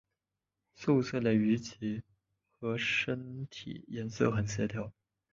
素色的鱼鳍与身体颜色很协调。